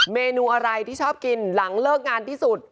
เมนูอะไรที่ชอบกินหลังเลิกงานที่สุด